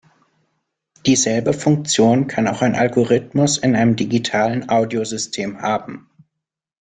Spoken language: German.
Dieselbe Funktion kann auch ein Algorithmus in einem digitalen Audio-System haben.